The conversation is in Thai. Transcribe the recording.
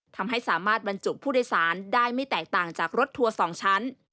ทำให้สามารถบรรจุผู้โดยสารได้ไม่แตกต่างจากรถทัวร์๒ชั้น